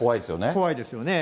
怖いですよね。